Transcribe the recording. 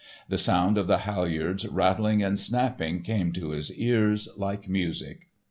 The sound of the halyards rattling and snapping came to his ears like music.